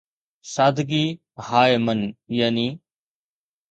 سادگي هاءِ مَن، يعني